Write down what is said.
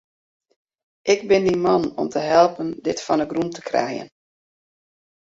Ik bin dyn man om te helpen dit fan 'e grûn te krijen.